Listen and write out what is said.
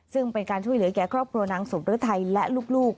ซึ่งเป็นการช่วยเหลือแก่ครอบครัวนางสมฤทัยและลูก